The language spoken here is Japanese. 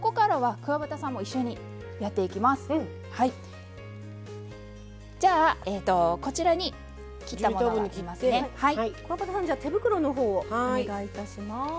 くわばたさん手袋のほうをお願いいたします。